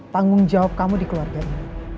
tanggung jawab kamu di keluarga ini